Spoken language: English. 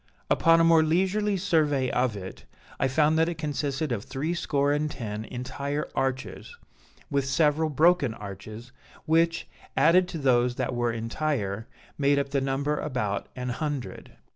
Upon a more leisurely survey of it, I found that it consisted of threescore and ten entire arches, with several broken arches, which, added to those that were entire, made up the number about an hundred.